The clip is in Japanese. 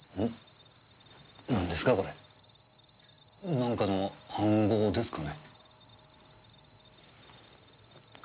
何かの暗号ですかね？